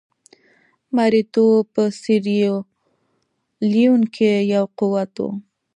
مریتوب په سیریلیون کې یو قوت وو.